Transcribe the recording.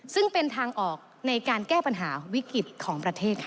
ซึ่งเป็นทางออกในการแก้ปัญหาวิกฤตของประเทศค่ะ